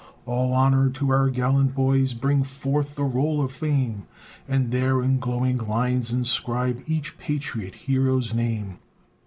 All honor to our gallant boys, Bring forth the roll of fame, And there in glowing lines inscribe Each patriot hero's name.